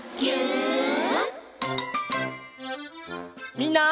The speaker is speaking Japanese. みんな。